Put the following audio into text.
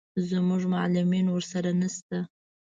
زموږ معلمین ورسره نه شته.